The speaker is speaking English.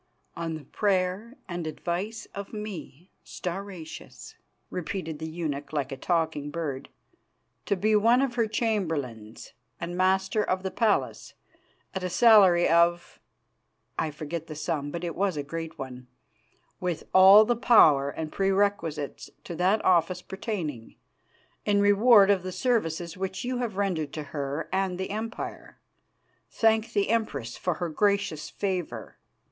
" On the prayer and advice of me, Stauracius," repeated the eunuch like a talking bird, "to be one of her chamberlains and Master of the Palace, at a salary of" (I forget the sum, but it was a great one) "with all the power and perquisites to that office pertaining, in reward of the services which you have rendered to her and the Empire. Thank the Empress for her gracious favour."